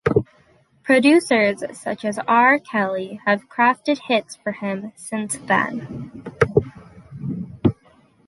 Producers such as R. Kelly have crafted hits for him since then.